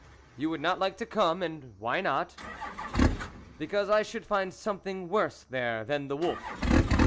" You would not like to come ? and why not ?" "Because I should find something worse there than the wolf."